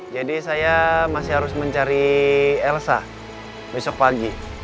jadi saya masih harus mencari elsa besok pagi